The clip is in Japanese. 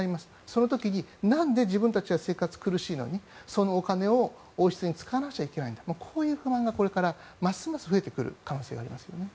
その時になんで自分たち、生活が苦しいのにそのお金を王室に使わなくちゃいけないんだこういう不満がこれからますます増えてくる可能性がありますね。